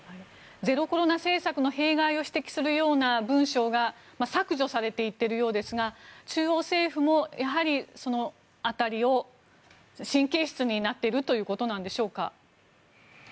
ゼロコロナ政策の弊害を指摘するような文章が削除されていっているようですが中央政府もやはり神経質になっているということでしょうか？